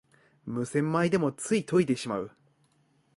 無洗米でもつい研いでしまう